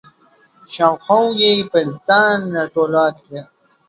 شاوخوا یې پر ځان راټوله کړه.